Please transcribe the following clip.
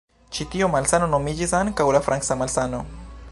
Ĉi tio malsano nomiĝis ankaŭ la "franca malsano".